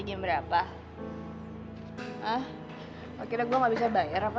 hai haki rasa nggak bisa bayar apa